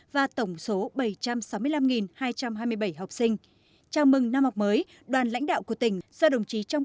và tổng số bảy trăm sáu mươi năm hai trăm hai mươi bảy học sinh chào mừng năm học mới đoàn lãnh đạo của tỉnh do đồng chí trong